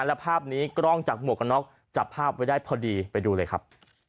และภาพนี้กล้องจากหมวกกันน็อกจับภาพไว้ได้พอดีไปดูเลยครับ